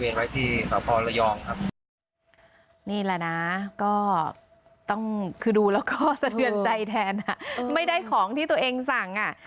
นี่แหละนะก็ต้องคือดูแล้วก็เสดียรใจแทนไม่ได้ของที่ตัวเองสั่ง